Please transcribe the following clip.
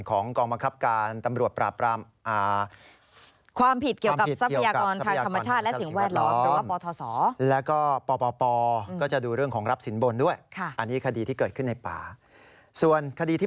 รองบาพตรคุณตัมประโยชน์เอกซีวรารังสิภาพมนากุล